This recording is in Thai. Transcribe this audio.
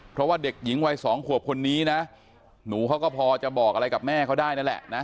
เพราะว่าเด็กหญิงวัย๒ขวบคนนี้นะหนูเขาก็พอจะบอกอะไรกับแม่เขาได้นั่นแหละนะ